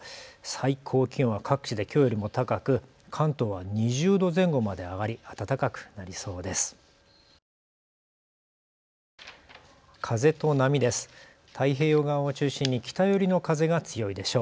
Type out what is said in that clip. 最高気温は各地できょうよりも高く関東は２０度前後まで上がり暖かくなりそうです。